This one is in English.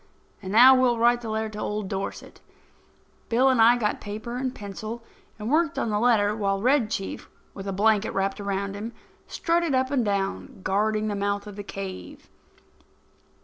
And now we'll write the letter to old Dorset." Bill and I got paper and pencil and worked on the letter while Red Chief, with a blanket wrapped around him, strutted up and down, guarding the mouth of the cave.